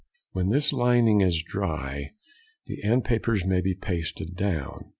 When this lining is dry, the end papers may be pasted down.